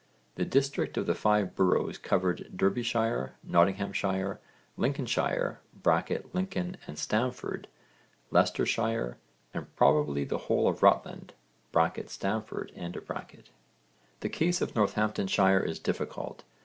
The district of the Five Boroughs covered Derbyshire, Nottinghamshire, Lincolnshire (Lincoln and Stamford), Leicestershire, and probably the whole of Rutland (Stamford). The case of Northamptonshire is difficult.